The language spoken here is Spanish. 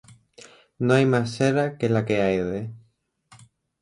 No hay mas cera que la que arde.